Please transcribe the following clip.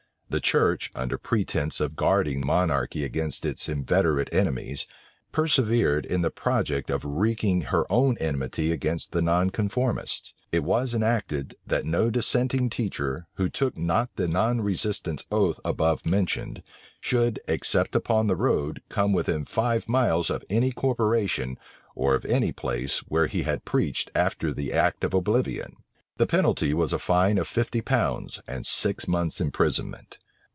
The church, under pretence of guarding monarchy against its inveterate enemies, persevered in the project of wreaking her own enmity against the nonconformists. It was enacted, that no dissenting teacher, who took not the nonresistance oath above mentioned, should, except upon the road, come within five miles of any corporation, or of any place, where he had preached after the act of oblivion. The penalty was a fine of fifty pounds, and six months' imprisonment.